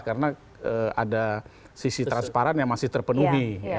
karena ada sisi transparan yang masih terpenuhi